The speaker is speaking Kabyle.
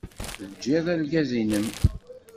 Teǧǧid argaz-nnem.